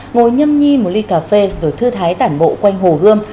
ngồi nhâm nhi một ly cà phê rồi thư thái tản bộ quanh hồ gươm